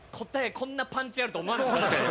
こんなパンチあると思わなかったですよ。